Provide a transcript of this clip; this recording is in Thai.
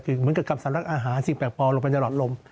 เหมือนกับกรรมสำรักอาหารสิ่งแบบบอลลงไปเจอกระดดลม